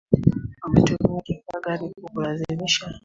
Ametumia kifaa gani kukulazimisha